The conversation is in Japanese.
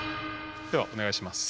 ではお願いします。